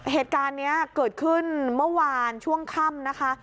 เหตุการณ์นี้เกิดขึ้นเมื่อวานช่วงค่ำนะคะ